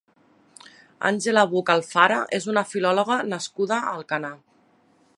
Àngela Buj Alfara és una filòloga nascuda a Alcanar.